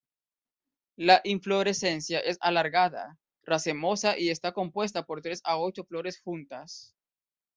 La inflorescencia es alargada, racemosa y está compuesta por tres a ocho flores juntas.